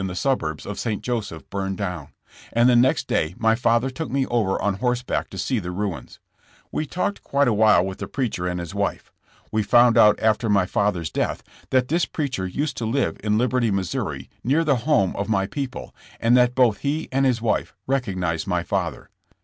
11 the suburbs of St. Joseph burned down, and the next day my father took me over on horseback to see the ruins. He talked quite awhile with the preacher and his wife. We found out after my father's death that this preacher used to live in Liberty, Mo., near the home of my people, and that both he and liis wife recognized my father.